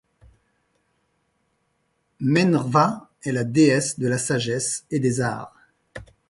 Menrva est la déesse de la sagesse et des arts.